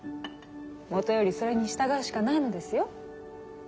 もとよりそれに従うしかないのですよ。